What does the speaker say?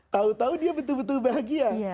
kau tahu dia betul betul bahagia